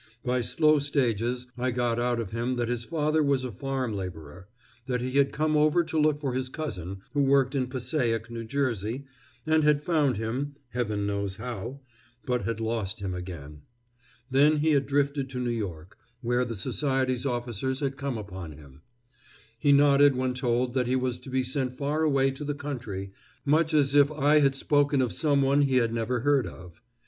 By slow stages I got out of him that his father was a farm laborer; that he had come over to look for his cousin, who worked in Passaic, New Jersey, and had found him, Heaven knows how! but had lost him again. Then he had drifted to New York, where the society's officers had come upon him. He nodded when told that he was to be sent far away to the country, much as if I had spoken of some one he had never heard of.